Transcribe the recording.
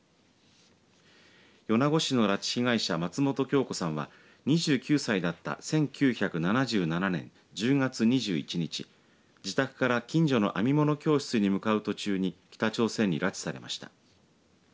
米子市の拉致被害者松本京子さんは２９歳だった１９７７年１０月２１日自宅から近所の編み物教室に向かう途中に北朝鮮に拉致されました。